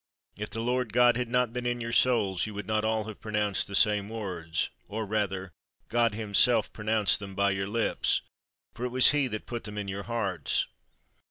If the Lord God had not been in your souls, you would not all have pronounced the same words; or rather God himself pronounced them by your lips, for it was he that put them in your hearts.